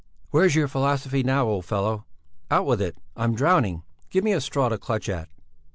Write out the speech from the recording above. "Where's your philosophy now, old fellow? Out with it! I'm drowning! Give me a straw to clutch at!"